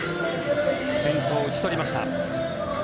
先頭、打ち取りました。